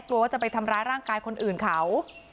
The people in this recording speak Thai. เกลาว่ากลัวว่าทำร้ายร่างกายคนอื่นเขา